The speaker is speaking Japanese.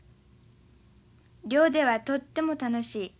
寮ではとっても楽しい。